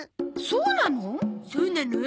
そうなの！